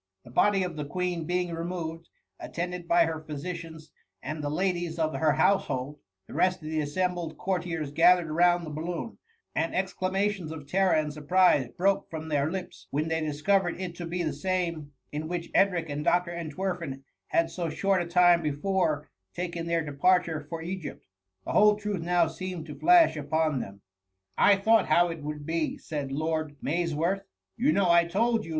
The body of the Queen being removed, at« tended by her physicians and die ladies of her household, the rest of the assembled cour* tiers gathered round the balloon ; and exclama^ tioBs of terror and surprise broke from their lips when they discovered it to be the same in which Edric and Dr. Entwerfen had so short a time befcure taken their departure for Egypt. The whole truth now seemed to flash upon them. *^ I thought how it would be,^ said Lord Maysworth ;you know I told you.